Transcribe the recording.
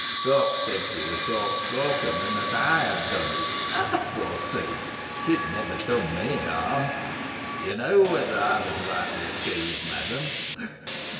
Folks said she was forespoken, and that I had done it. I, forsooth! She had never done me harm. You know whether I was rightly accused, madam."